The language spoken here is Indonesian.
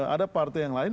ada partai yang lain